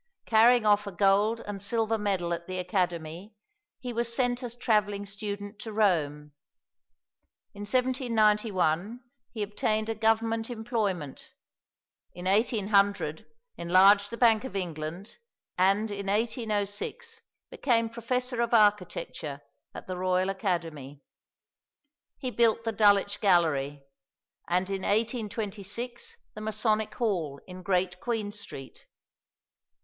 Carrying off a gold and silver medal at the Academy, he was sent as travelling student to Rome. In 1791 he obtained a Government employment, in 1800 enlarged the Bank of England, and in 1806 became Professor of Architecture at the Royal Academy. He built the Dulwich Gallery, and in 1826 the Masonic Hall in Great Queen Street.